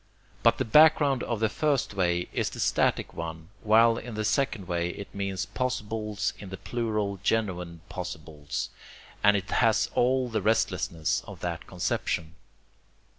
But the background of the first way is the static One, while in the second way it means possibles in the plural, genuine possibles, and it has all the restlessness of that conception.